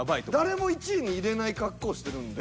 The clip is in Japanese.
誰も１位に入れない格好してるんで。